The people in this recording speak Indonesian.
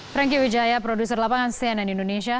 franky wijaya produser lapangan cnn indonesia